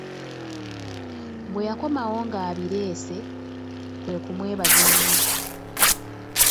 Bwe yakomawo ng'abireese, kwe kumwebaza ennyo.